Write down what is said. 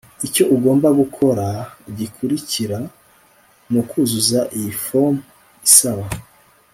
icyo ugomba gukora gikurikira nukuzuza iyi fomu isaba